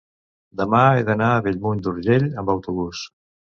demà he d'anar a Bellmunt d'Urgell amb autobús.